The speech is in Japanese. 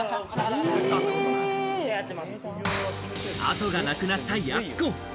後がなくなったやす子。